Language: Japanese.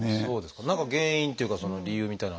何か原因っていうかその理由みたいなのっていうのは。